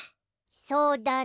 そうだね。